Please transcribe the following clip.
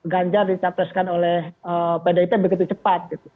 ganjar dicapreskan oleh bdip begitu cepat gitu